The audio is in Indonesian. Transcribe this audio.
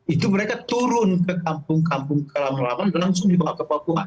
itu mereka turun ke kampung kampung kelam halaman dan langsung dibawa ke papua